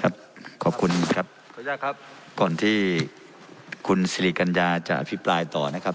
ครับขอบคุณครับขออนุญาตครับก่อนที่คุณสิริกัญญาจะอภิปรายต่อนะครับ